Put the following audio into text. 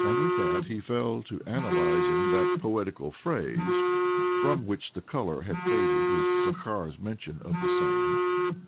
With that he fell to analysing that poetical phase from which the colour had faded with Zakhar's mention of the isame.